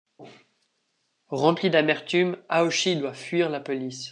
Rempli d'amertume, Aoshi doit fuir la police.